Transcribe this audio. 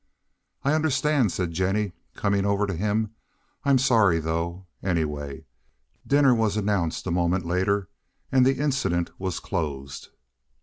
"I understand," said Jennie, coming over to him. "I'm sorry, though, anyway." Dinner was announced a moment later and the incident was closed.